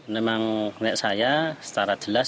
memang saya secara jelas